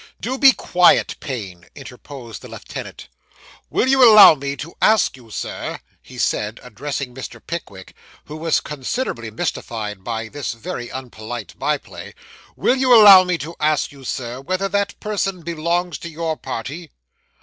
'Do be quiet, Payne,' interposed the lieutenant. 'Will you allow me to ask you, sir,' he said, addressing Mr. Pickwick, who was considerably mystified by this very unpolite by play 'will you allow me to ask you, Sir, whether that person belongs to your party?